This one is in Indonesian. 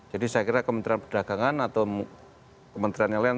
jadi saya kira kementerian perdagangan atau kementerian yang lain